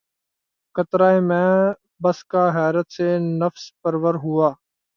قطرہٴ مے بسکہ حیرت سے نفس پرور ہوا